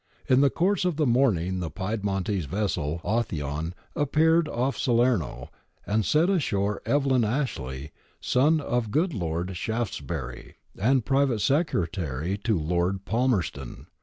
In the course of the morning the Piedmontese vessel Authion appeared off Salerno and set ashore Evelyn Ashley, son of the good Lord Shaftesbury, and private secretary to Lord Palmerston.